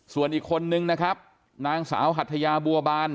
ส่วนอีกคนนึงนะครับนางสาวหัทยาบัวบาน